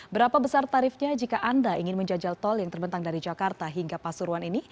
berapa besar tarifnya jika anda ingin menjajal tol yang terbentang dari jakarta hingga pasuruan ini